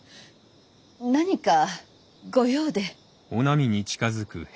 何かご用で？